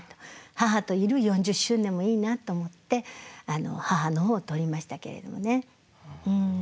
母といる４０周年もいいなと思って母の方を取りましたけれどもね。